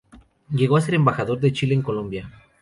Llegó a ser embajador de Chile en Colombia.